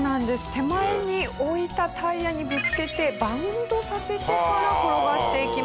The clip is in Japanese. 手前に置いたタイヤにぶつけてバウンドさせてから転がしていきます。